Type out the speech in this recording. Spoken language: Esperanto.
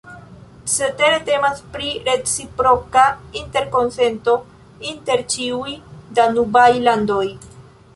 Cetere, temas pri reciproka interkonsento inter ĉiuj danubaj landoj.